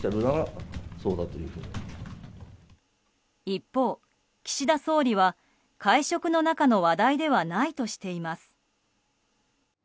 一方、岸田総理は会食の中の話題ではないとしています。